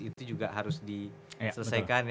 itu juga harus diselesaikan